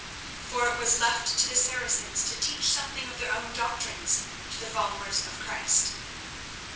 For it was left to the Saracens to teach something of their own doctrines to the followers of Christ.